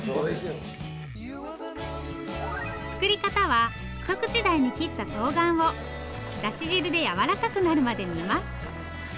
作り方は一口大に切ったとうがんをだし汁でやわらかくなるまで煮ます。